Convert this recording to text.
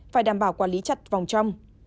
phải đảm bảo quản lý chặt vòng trong